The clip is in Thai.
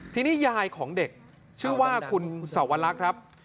ทีนี้ยายของเด็กชื่อว่าคุณสวรรคครับ